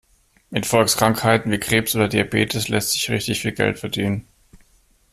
Mit Volkskrankheiten wie Krebs oder Diabetes lässt sich richtig viel Geld verdienen.